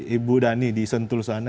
ibu dhani di sentul sana